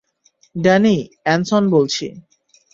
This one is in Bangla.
ড্যানি, অ্যানসন বলছি।